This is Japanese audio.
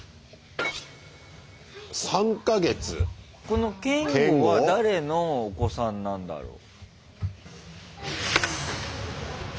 このけんごは誰のお子さんなんだろう？